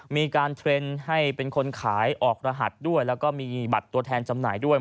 มีการเทรนด์ให้เป็นคนขายออกรหัสด้วยแล้วก็มีบัตรตัวแทนจำหน่ายด้วย